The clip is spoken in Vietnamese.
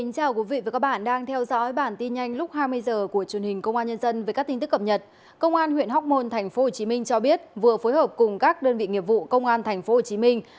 cảm ơn các bạn đã theo dõi